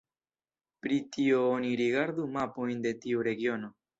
Pri tio oni rigardu mapojn de tiu regiono.